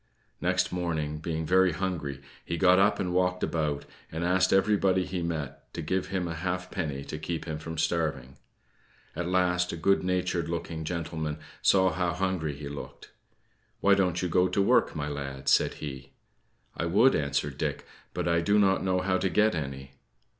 Next morning, being very hungry, he got up and walked about, and asked everybody he met to give him a halfpenny to keep him from starving. At last, a good natured looking gentleman saw how hungry he looked. "Why don't you go to work, my lad?" said he. "I would," answered Dick, "but I do not know how to get any."